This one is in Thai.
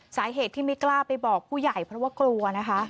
สาเหตุที่ไม่กล้าไปบอกผู้ใหญ่เพราะว่ากลัวนะคะ